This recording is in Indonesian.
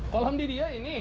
kolam di dia ini